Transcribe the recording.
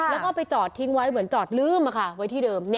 แล้วก็ไปจอดทิ้งไว้เหมือนจอดลืมไว้ที่เดิม